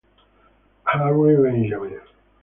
Harry Benjamin.